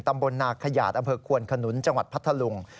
ตำบลนาขยาดอำเภอควนขนุนจังหวัดพัทธลุง